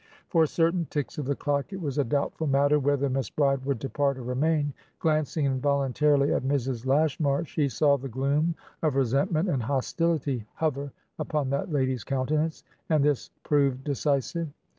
For certain ticks of the clock it was a doubtful matter whether Miss Bride would depart or remain. Glancing involuntarily at Mrs. Lashmar, she saw the gloom of resentment and hostility hover upon that lady's countenance, and this proved decisive.